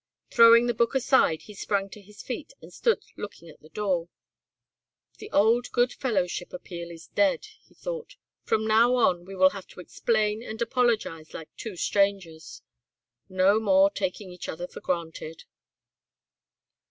Throwing the book aside he sprang to his feet and stood looking at the door. "The old goodfellowship appeal is dead," he thought. "From now on we will have to explain and apologise like two strangers. No more taking each other for granted."